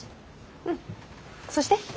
そうして。